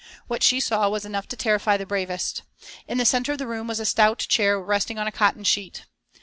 What she saw was enough to terrify the bravest. In the centre of the room was a stout chair resting on a cotton sheet.